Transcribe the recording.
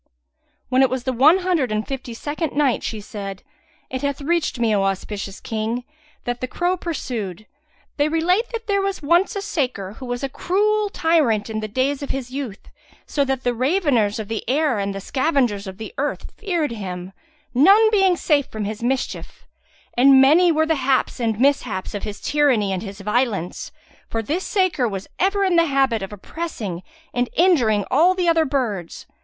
When it was the One Hundred and Fifty second Night She said, It hath reached me, O auspicious King, that the crow pursued, "They relate that there was once a saker who was a cruel tyrant in the days of his youth, so that the raveners of the air and the scavengers of the earth feared him, none being safe from his mischief; and many were the haps and mishaps of his tyranny and his violence, for this saker was ever in the habit of oppressing and injuring all the other birds.